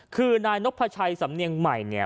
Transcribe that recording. คือนายนพชัยสำเนียงใหม่เนี่ย